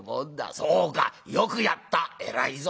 そうかよくやった偉いぞ。